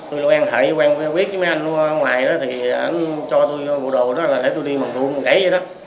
tôi là quen thầy quen với mấy anh ngoài đó thì anh cho tôi vụ đồ đó là để tôi đi bằng thun gãy vậy đó